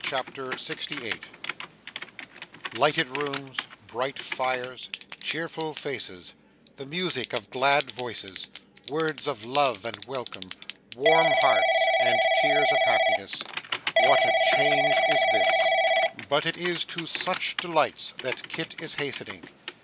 CHAPTER 68 Lighted rooms, bright fires, cheerful faces, the music of glad voices, words of love and welcome, warm hearts, and tears of happiness what a change is this! But it is to such delights that Kit is hastening.